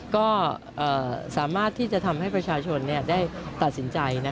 ก็สามารถที่จะทำให้ประชาชนได้ตัดสินใจ